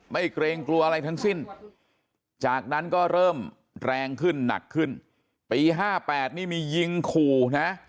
เกรงกลัวอะไรทั้งสิ้นจากนั้นก็เริ่มแรงขึ้นหนักขึ้นปี๕๘นี่มียิงขู่นะ